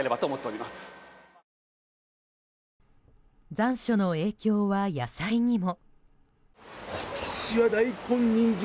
残暑の影響は野菜にも。